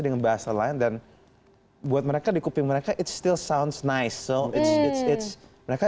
dengan bahasa lain dan buat mereka di kuping mereka it's still sounds nice so it's it's mereka